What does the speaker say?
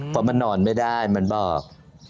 เพราะมันนอนไม่ได้มันบอก